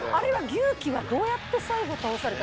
牛鬼はどうやって最後倒された？